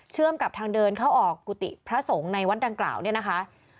กับทางเดินเข้าออกกุฏิพระสงฆ์ในวัดดังกล่าวเนี่ยนะคะ